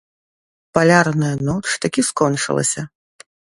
Палярная ноч такі скончылася.